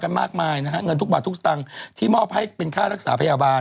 มากมายนะฮะเงินทุกบาททุกสตางค์ที่มอบให้เป็นค่ารักษาพยาบาล